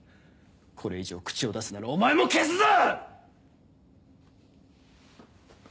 これ以上口を出すならお前も消すぞ！